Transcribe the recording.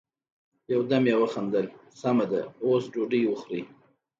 يو دم يې وخندل: سمه ده، اوس ډوډی وخورئ!